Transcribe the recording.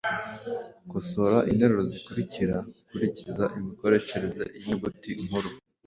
Kosora interuro zikurikira ukurikiza imikoreshereze y’inyuguti nkuru: